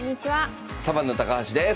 サバンナ高橋です。